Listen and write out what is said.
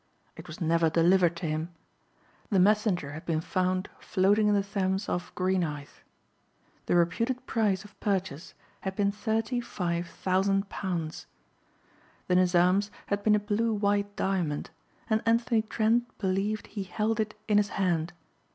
It was never delivered to him. The messenger had been found floating in the Thames off Greenhithe. The reputed price of purchase had been thirty five thousand pounds. The Nizam's had been a blue white diamond and Anthony Trent believed he held it in his hand.